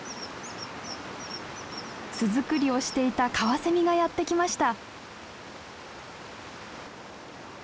巣作りをしていたカワセミがやって来ました。